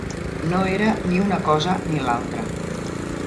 No era ni una cosa ni l'altra.